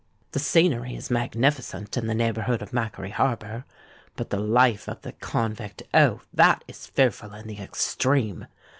"The scenery is magnificent in the neighbourhood of Macquarie Harbour: but the life of the convict—oh! that is fearful in the extreme!